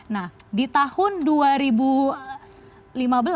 nah di tahun dua ribu dua belas ini adalah sekitar empat enam miliar rupiah